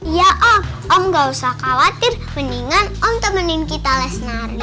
iya om om nggak usah khawatir mendingan om temenin kita lesnar deh